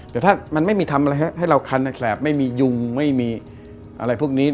แต่ถ้ามันไม่มีทำอะไรให้เราคันแสบไม่มียุงไม่มีอะไรพวกนี้